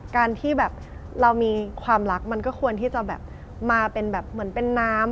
การที่แบบเรามีความรักมันก็ควรที่จะแบบมาเป็นแบบเหมือนเป็นน้ำ